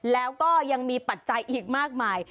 แล้วก็ยังมีปัจจัยอีกมากมาย